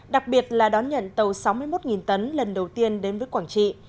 đặc biệt là đón nhận tàu sáu mươi một tấn lần đầu tiên đến với quảng trị